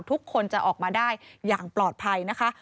ทุกคนจะออกมาได้อย่างปลอดภัยนะคะ